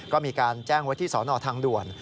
ก็มีการแจ้งไว้ที่สนทางด่วน